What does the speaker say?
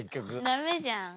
ダメじゃん。